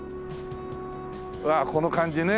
わあこの感じね。